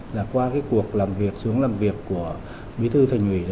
là qua cuộc xuống làm việc của bí thư